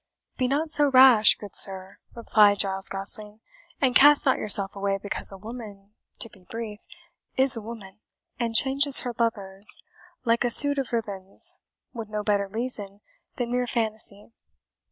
"Be not so rash, good sir," replied Giles Gosling, "and cast not yourself away because a woman to be brief IS a woman, and changes her lovers like her suit of ribands, with no better reason than mere fantasy.